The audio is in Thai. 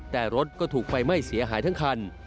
แต่รถก็ถูกไฟไหม้เสียหายทั้งคัน